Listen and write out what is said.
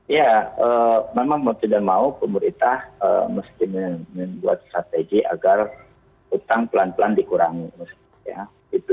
ya memang mau tidak mau pemerintah mesti membuat strategi agar utang pelan pelan dikurangi